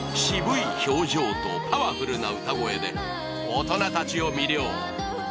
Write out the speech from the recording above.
渋い表情とパワフルな歌声で大人たちを魅了。